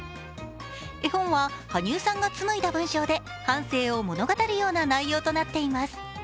絵本は羽生さんが紡いだ文章で半生を物語るような内容となっています。